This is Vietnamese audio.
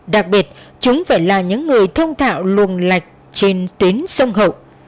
đặc biệt chúng phải là những người thông thạo luồng lạch trên tuyến sông hậu